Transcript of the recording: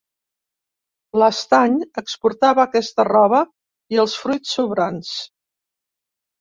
L'Estany exportava aquesta roba i els fruits sobrants.